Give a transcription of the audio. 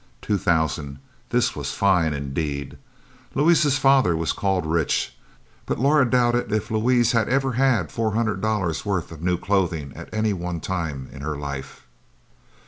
Two thousand this was fine indeed. Louise's father was called rich, but Laura doubted if Louise had ever had $400 worth of new clothing at one time in her life.